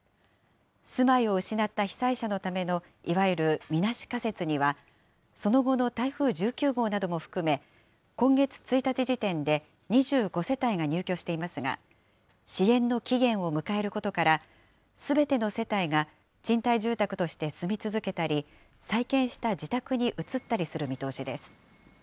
住まいを失った被災者のためのいわゆるみなし仮設には、その後の台風１９号なども含め、今月１日時点で２５世帯が入居していますが、支援の期限を迎えることから、すべての世帯が賃貸住宅として住み続けたり、再建した自宅に移ったりする見通しです。